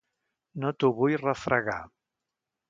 No t'ho vull refregar.